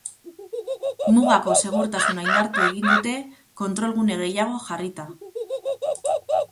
Mugako segurtasuna indartu egin dute kontrolgune gehiago jarrita.